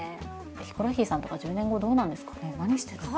ヒコロヒーさんとか１０年後どうなんですかね何してるんだろう？